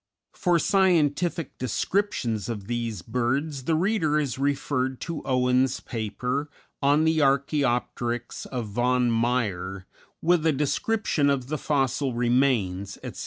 _ _For scientific descriptions of these birds the reader is referred to Owen's paper "On the Archæopteryx of von Meyer, with a Description of the Fossil Remains, etc.